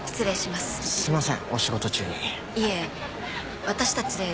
すいません。